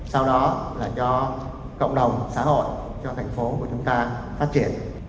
sau đó là cho cộng đồng xã hội cho thành phố của chúng ta phát triển